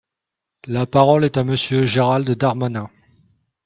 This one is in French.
La parole est à Monsieur Gérald Darmanin.